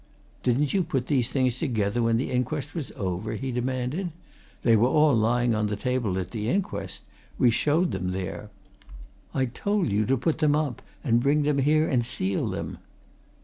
"Didn't you put these things together when the inquest was over?" he demanded. "They were all lying on the table at the inquest we showed them there. I told you to put them up and bring them here and seal them."